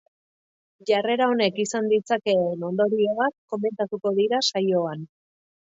Jarrera honek izan ditzakeen ondorioak koemntatuko dira saioan.